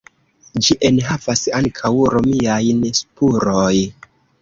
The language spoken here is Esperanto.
Ĝi enhavas ankaŭ romiajn spuroj.